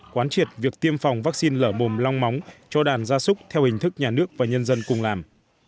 quán triệt việc tiêm phòng vaccine lở mồm long móng cho đàn gia súc theo hình thức nhà nước và nhân dân cùng làm